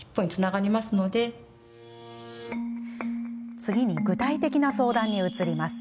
次に、具体的な相談に移ります。